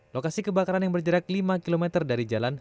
lokasi kebakaran yang berjarak lima km dari jalan